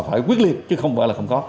phải quyết liệt chứ không phải là không có